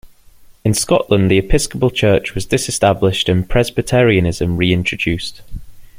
In Scotland the Episcopal Church was disestablished and Presbyterianism reintroduced.